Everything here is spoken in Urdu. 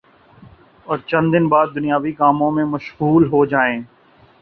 اور چند دن بعد دنیاوی کاموں میں مشغول ہو جائیں